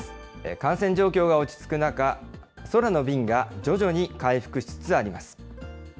感染状況が落ち着く中、空の便が徐々に回復しつつあります。